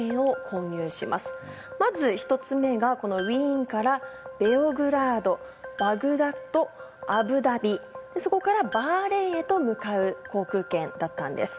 まず１つ目がウィーンからベオグラードバグダッドアブダビそこからバーレーンへ向かう航空券だったんです。